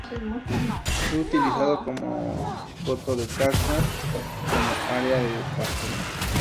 Fue utilizado como coto de caza y como área de pastoreo.